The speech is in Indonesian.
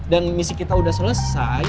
dan misi kita udah selesai